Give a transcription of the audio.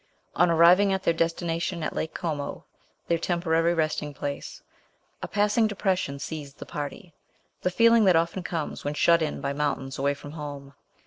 On arriving at their destination at Lake Como, their tem porary resting place, a passing depression seized the party, the feeling that often comes when shut in by mountains away from home.